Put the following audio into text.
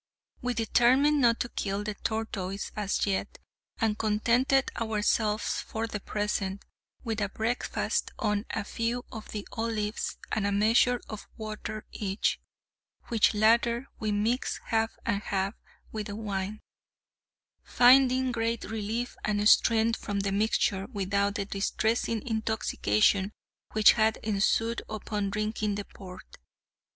We determined not to kill the tortoise as yet, and contented ourselves for the present with a breakfast on a few of the olives, and a measure of water each, which latter we mixed half and half, with wine, finding great relief and strength from the mixture, without the distressing intoxication which had ensued upon drinking the port.